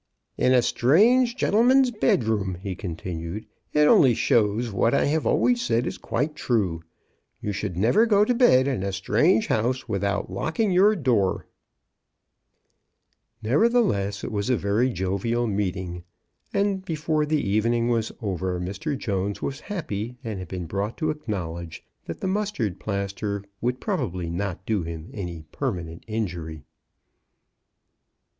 " In a strange gentleman's bedroom !" he continued. "It only shows that what I have always said is quite true. You should, never go to bed in a strange house without locking your door.' »»> J • 82 CHRISTMAS AT THOMPSON HALL. Nevertheless it was a very jovial meeting, aiid before the evening was over Mr. Jones was happy, and had been brought to acknowledge that the mustard plaster would probably not do him any permanent injury.